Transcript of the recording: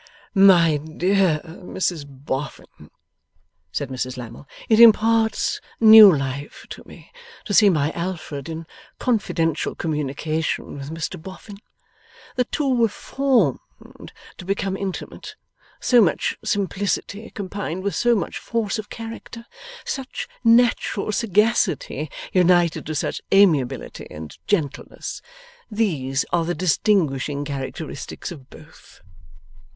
'My dear Mrs Boffin,' said Mrs Lammle, 'it imparts new life to me, to see my Alfred in confidential communication with Mr Boffin. The two were formed to become intimate. So much simplicity combined with so much force of character, such natural sagacity united to such amiability and gentleness these are the distinguishing characteristics of both.